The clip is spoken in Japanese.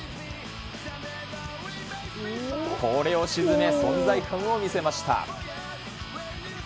これを沈め、存在感を見せました。